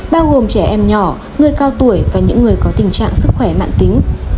bao gồm trẻ em nhỏ người cao tuổi và những người có tình trạng sức khỏe mạng tính